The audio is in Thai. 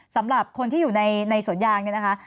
สำหรับคนที่อยู่ในสวนยางเนี่ยนะคะ